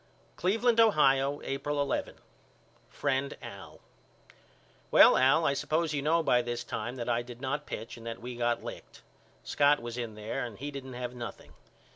Cleveland, Ohio, April 11. FRIEND AL: Well Al I suppose you know by this time that I did not pitch and that we got licked. Scott was in there and he didn't have nothing.